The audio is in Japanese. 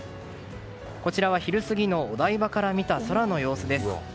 こちらは昼過ぎのお台場から見た空の様子です。